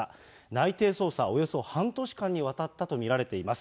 内偵捜査およそ半年間にわたったと見られています。